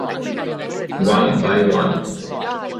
One by One